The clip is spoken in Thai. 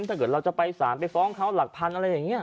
ถ้าเกิดเราจะไปสารไปฟ้องเขาหลักพันอะไรอย่างนี้